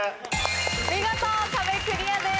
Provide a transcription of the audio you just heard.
見事壁クリアです。